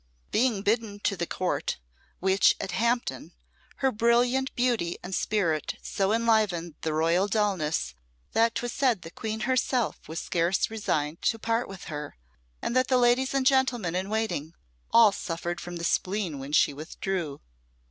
Being bidden to the Court, which was at Hampton, her brilliant beauty and spirit so enlivened the royal dulness that 'twas said the Queen herself was scarce resigned to part with her, and that the ladies and gentlemen in waiting all suffered from the spleen when she withdrew.